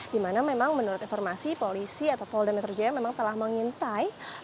di mana memang menurut informasi polisi atau polda metro jaya memang telah mengintai